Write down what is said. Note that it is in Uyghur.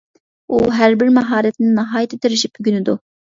ئۇ ھەربىر ماھارەتنى ناھايىتى تىرىشىپ ئۆگىنىدۇ.